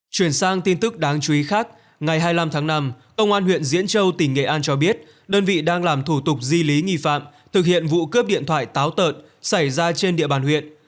chuyển sang tin tức đáng chú ý khác ngày hai mươi năm tháng năm công an huyện diễn châu tỉnh nghệ an cho biết đơn vị đang làm thủ tục di lý nghi phạm thực hiện vụ cướp điện thoại táo tợn xảy ra trên địa bàn huyện